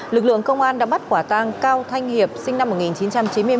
lực lượng công an đã bắt quả tang cao thanh hiệp sinh năm một nghìn chín trăm chín mươi ba